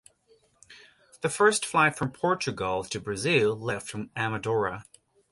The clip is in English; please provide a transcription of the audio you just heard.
The first flight from Portugal to Brazil left from Amadora.